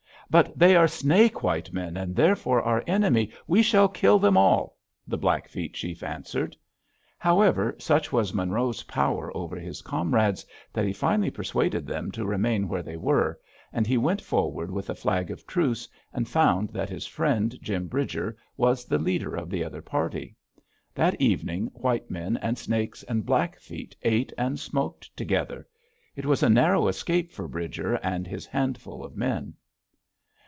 "But they are Snake white men, and therefore our enemy: we shall kill them all!" the Blackfeet chief answered. However, such was Monroe's power over his comrades that he finally persuaded them to remain where they were, and he went forward with a flag of truce, and found that his friend Jim Bridger was the leader of the other party. That evening white men and Snakes and Blackfeet ate and smoked together! It was a narrow escape for Bridger and his handful of men.